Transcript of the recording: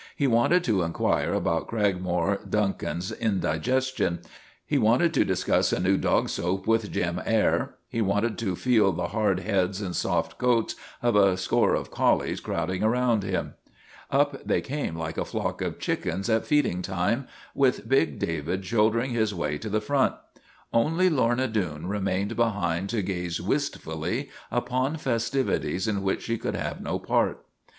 He wanted to inquire about Cragmore Duncan's indigestion ; he wanted to discuss a new r dog soap with Jim Eyre; he wanted to feel the hard heads and soft coats of a score of collies crowding about him. Up they came like a flock of chickens at feeding time, with big David shouldering his way to the front. Only Lorna Doone remained behind to gaze wistfully upon fes tivities in which she could have no part.